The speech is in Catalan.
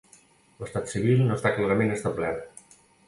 L'estat civil no està clarament establert.